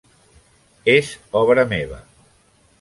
És obra meva.